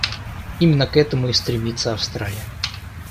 Именно к этому и стремится Австралия.